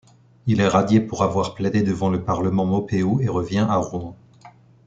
Il est radié pour avoir plaidé devant le Parlement Maupeou et revient à Rouen.